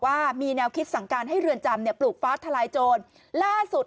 ว่ามีแนวคิดสั่งการให้เรือนจำเนี่ยปลูกฟ้าทลายโจรล่าสุด